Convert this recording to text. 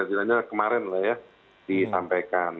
itu setiap jenisnya kemarin lah ya disampaikan